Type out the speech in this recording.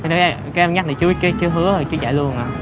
cái em nhắc là chú hứa rồi chú dạy luôn à